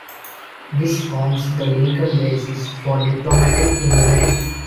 This forms the legal basis for diplomatic immunity.